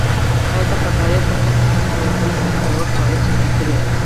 ایا ته خبر یې؟ پخونکي په پخلنځي کې خوندور خواړه چمتو کړي.